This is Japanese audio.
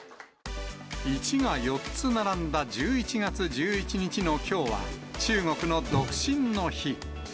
１が４つ並んだ１１月１１日のきょうは、中国の独身の日。